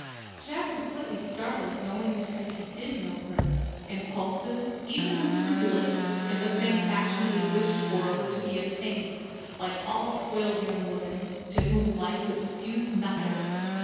Jack was slightly startled, knowing Juliet as he did know her: impulsive, even unscrupulous, if a thing passionately wished for were to be obtained like all spoiled young women, to whom life has refused nothing.